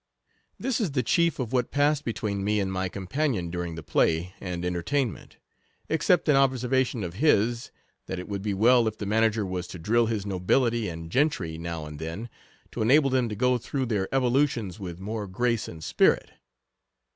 This is the chief of what passed between me and my companion during the play and en tertainment, except an observation of his, that it would be well if the manager was to drill his nobility and gentry now and then, to enable them to go through their evolutions with more grace and spirit.